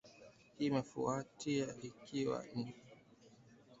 Hii imefuatia ikiwa ni takribani miezi sita kabla ya mkutano muhimu wa mwezi Disemba